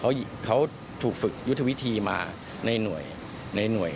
เค้ายิงอ่ะเค้าถูกฝึกยุทธวิธีมาในหน่วย